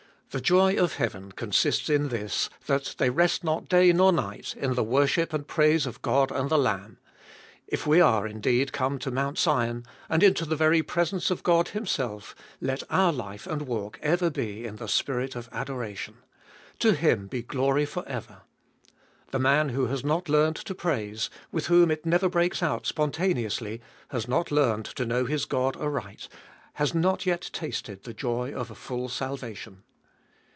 The joy of heaven consists in this that they rest not day nor night in the worship and praise of God and the Lamb ; if we are indeed come to Mount Sion, and into the very presence of God Himself, let our life and walk ever be in the spirit of adoration : To Him be glory for ever ! The man who has not learned to praise, with whom it never breaks out spontaneously, has not learned to know his God aright, has not yet tasted the joy of a full salvation.